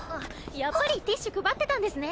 やっぱりティッシュ配ってたんですね。